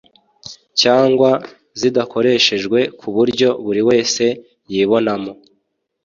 Cyangwa zidakoreshejwe ku buryo buri wese yibonamo